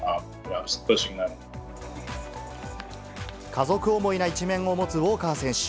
家族思いな一面を持つウォーカー選手。